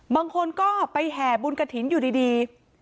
บางคนก็ไปแห่บุญกระถิ่นอยู่ดี